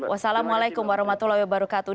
wassalamualaikum warahmatullahi wabarakatuh